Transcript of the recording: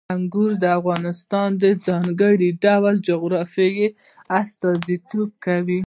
انګور د افغانستان د ځانګړي ډول جغرافیې استازیتوب کوي.